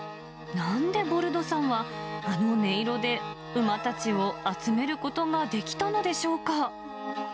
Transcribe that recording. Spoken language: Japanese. なんでボルドさんは、あの音色で馬たちを集めることができたのでしょうか。